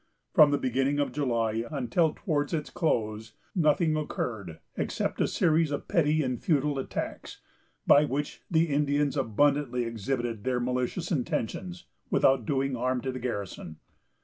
From the beginning of July until towards its close, nothing occurred except a series of petty and futile attacks, by which the Indians abundantly exhibited their malicious intentions, without doing harm to the garrison.